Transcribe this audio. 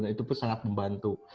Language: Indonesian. itu pun sangat membantu